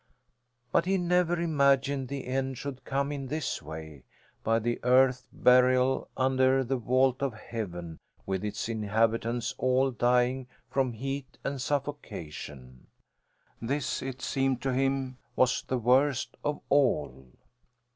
But he never imagined the end should come in this way: by the earth's burial under the vault of heaven with its inhabitants all dying from heat and suffocation! This, it seemed to him, was the worst of all.